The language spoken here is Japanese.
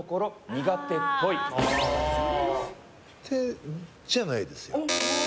苦手じゃないですよ。